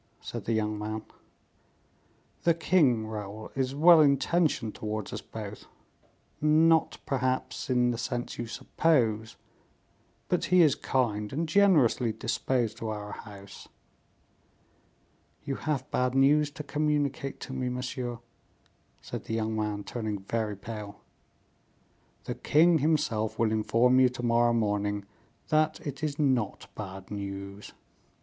said the young man. "The king, Raoul, is well intentioned towards us both; not, perhaps, in the sense you suppose, but he is kind, and generously disposed to our house." "You have bad news to communicate to me, monsieur," said the young man, turning very pale. "The king himself will inform you to morrow morning that it is not bad news."